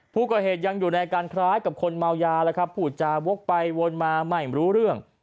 ผู้ก่อเหตุยังอยู่ในอาการคล้ายกับคนเมายาแล้วครับพูดจาวกไปวนมาไม่รู้เรื่อง